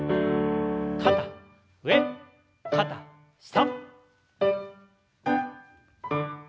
肩上肩下。